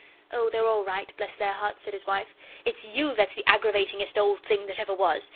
"Oh, they're all right, bless their hearts," said his wife; "it's you that's the aggravatingest old thing that ever was.